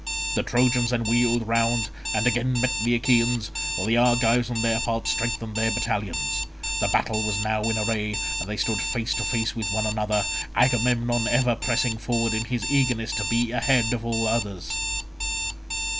The Trojans then wheeled round, and again met the Achaeans, while the Argives on their part strengthened their battalions. The battle was now in array and they stood face to face with one another, Agamemnon ever pressing forward in his eagerness to be ahead of all others.